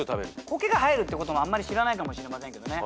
コケが生えるってことがあんまり知らないかもしれませんけどね。